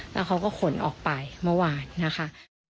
แล้วเขาก็ขนออกไปเมื่อวานนะคะ